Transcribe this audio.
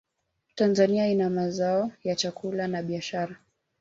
tanzania ina mazao ya chakula na biashara